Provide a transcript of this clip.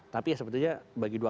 tapi ya sebetulnya bagi dua